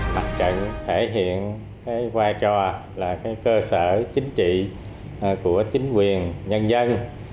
mặt trận thể hiện cái vai trò là cơ sở chính trị của chính quyền nhân dân